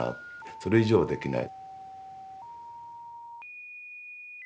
それ以上はできない。